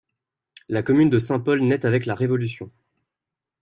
La commune de Saint-Paul naît avec la Révolution.